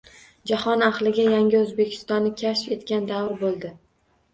Jahon ahliga Yangi O‘zbekistonni kashf etgan davr bo‘ldi.